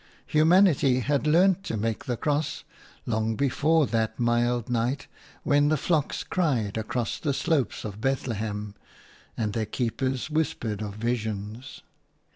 Humanity had learnt to make the cross long before that mild night when the flocks cried across the slopes of Bethlehem and their keepers whispered of visions.